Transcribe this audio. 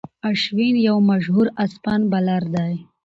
اشوين یو مشهور اسپن بالر دئ.